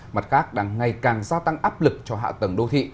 mặt khác đang ngày càng gia tăng áp lực cho hạ tầng đô thị